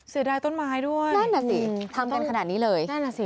เสียดายต้นไม้ด้วยนั่นน่ะสิทำกันขนาดนี้เลยนั่นอ่ะสิ